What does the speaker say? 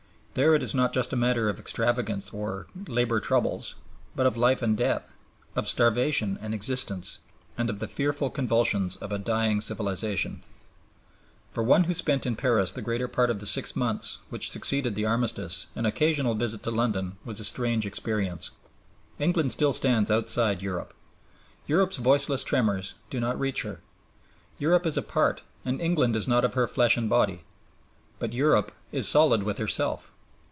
There it is not just a matter of extravagance or "labor troubles"; but of life and death, of starvation and existence, and of the fearful convulsions of a dying civilization. For one who spent in Paris the greater part of the six months which succeeded the Armistice an occasional visit to London was a strange experience. England still stands outside Europe. Europe's voiceless tremors do not reach her. Europe is apart and England is not of her flesh and body. But Europe is solid with herself.